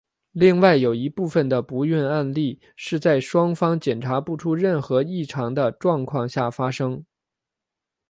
另外有一部分的不孕案例是在双方检查不出任何异常的状况下发生。